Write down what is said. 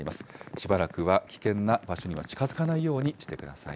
しばらくは危険な場所には近づかないようにしてください。